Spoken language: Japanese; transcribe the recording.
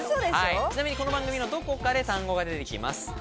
ちなみに、この番組のどこかで単語が出てきます。